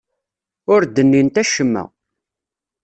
Ur d-nnint acemma.